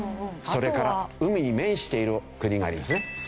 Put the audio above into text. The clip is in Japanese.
それから海に面している国がありますね。